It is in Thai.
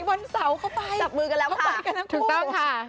วันเสาเข้าไปเข้าไปกันครับคู่ถูกต้องค่ะจับมือกันแล้วค่ะ